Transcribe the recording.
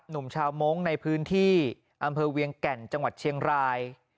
หนุ่มชาวมงค์ในพื้นที่อำเภอเวียงแก่นจังหวัดเชียงราย